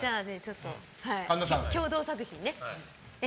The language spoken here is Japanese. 共同作品ね。